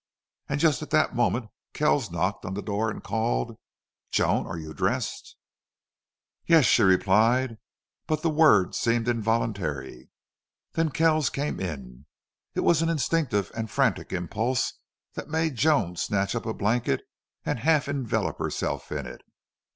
And just at that moment Kells knocked on the door and called, "Joan, are you dressed?" "Yes," she replied. But the word seemed involuntary. Then Kells came in. It was an instinctive and frantic impulse that made Joan snatch up a blanket and half envelop herself in it.